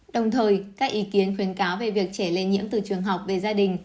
đồng thời các ý kiến khuyến cáo về việc trẻ lây nhiễm từ trường học về gia đình